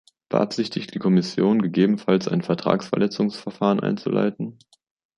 Beabsichtigt die Kommission, gegebenenfalls ein Vertragsverletzungsverfahren einzuleiten?